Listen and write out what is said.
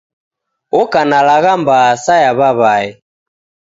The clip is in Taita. Oka na lagha mbaa sa ya w'aw'ae.